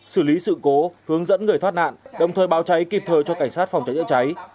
xử lý sự cố hướng dẫn người thoát nạn đồng thời báo cháy kịp thời cho cảnh sát phòng cháy chữa cháy